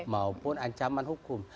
maupun ancaman hukum